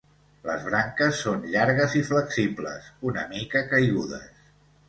Les branques són llargues i flexibles, una mica caigudes.